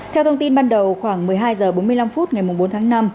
theo thông tin ban đầu khoảng một mươi hai h bốn mươi năm phút ngày bốn tháng năm